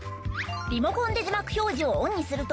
リモコンで字幕表示をオンにすると。